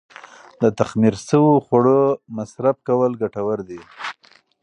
د تخمیر شوو خوړو مصرف کول ګټور دي.